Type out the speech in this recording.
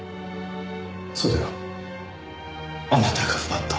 それをあなたが奪った。